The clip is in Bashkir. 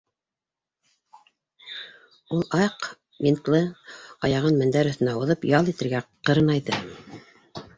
Ул аҡ бинтлы аяғын мендәр өҫтөнә һуҙып, ял итергә ҡырынайҙы.